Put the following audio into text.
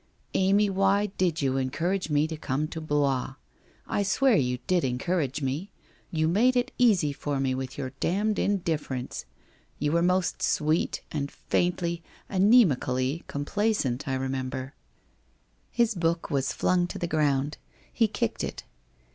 Amy, why did you encourage me to come to Blois? I swear you did encourage me. You made it easy for me with your damned WHITE ROSE OF WEARY LEAF 331 indifference. You were most sweet, and faintly, anasmi cally, complaisant, I remember. ...' His book was flung to the ground. He kicked it.